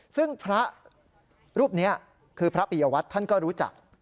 ซึ่งพระรูปนี้คือพระปียวัตรท่านก็รู้จัก